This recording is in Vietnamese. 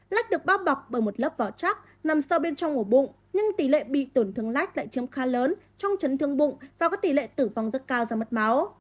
lách được bao bọc bởi một lớp vỏ chắc nằm sau bên trong ổ bụng nhưng tỷ lệ bị tổn thương lách lại chiếm khá lớn trong chấn thương bụng và có tỷ lệ tử vong rất cao do mất máu